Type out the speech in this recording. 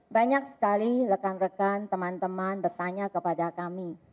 banyak sekali rekan rekan teman teman bertanya kepada kami